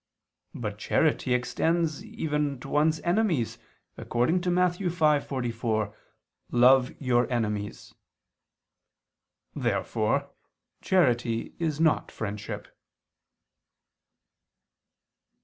But charity extends even to one's enemies, according to Matt. 5:44: "Love your enemies." Therefore charity is not friendship.